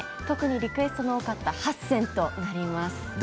特にリクエストの多かった８選となります。